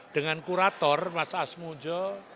dengan kurator mas asmunjo